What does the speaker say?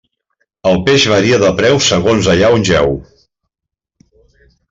El peix varia de preu segons allà on jeu.